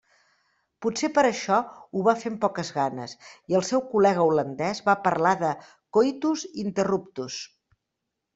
Potser per això ho va fer amb poques ganes i el seu col·lega holandès va parlar de “coitus interruptus”.